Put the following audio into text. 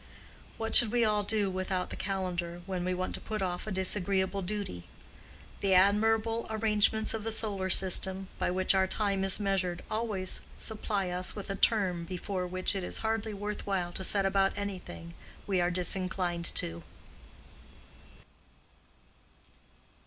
What should we all do without the calendar, when we want to put off a disagreeable duty? The admirable arrangements of the solar system, by which our time is measured, always supply us with a term before which it is hardly worth while to set about anything we are disinclined to.